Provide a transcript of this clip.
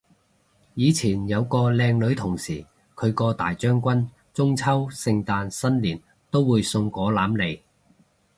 以前有個靚女同事，佢個大將軍中秋聖誕新年都會送果籃嚟